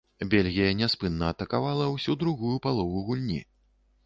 Бельгія няспынна атакавала ўсю другую палову гульні.